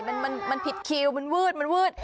มันมันมันผิดคิวมันวืดมันวืด